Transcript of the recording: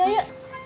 ya udah yuk